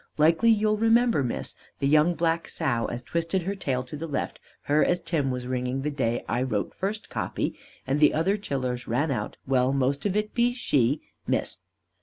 Likely you'll remember, Miss, the young black sow as twisted her tail to the left, her as Tim was ringing the day as I wrote first copy, and the other chillers ran out, well most of it be she, Miss.